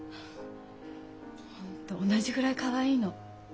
本当同じぐらいかわいいの。